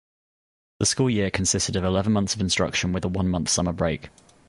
The school year consisted of eleven months of instruction, with a one-month summer break.